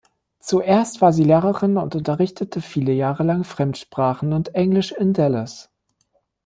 Zuerst war sie Lehrerin und unterrichtete viele Jahre lang Fremdsprachen und Englisch in Dallas.